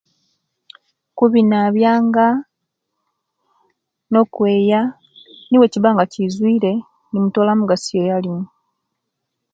Kubinabiyanga nokweya nebwekiba nga kizuire nimutolamu gasiya eyo erimu